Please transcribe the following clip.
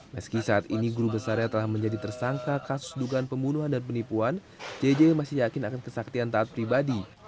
meski saat ini guru besarnya telah menjadi tersangka kasus dugaan pembunuhan dan penipuan jj masih yakin akan kesaktian taat pribadi